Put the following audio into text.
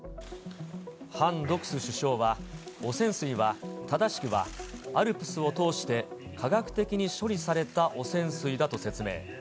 ハン・ドクス首相は、汚染水は正しくはＡＬＰＳを通して科学的に処理された汚染水だと説明。